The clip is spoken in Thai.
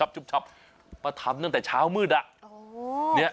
ชุบชับมาทำตั้งแต่เช้ามืด